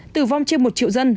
tử vong trên một triệu dân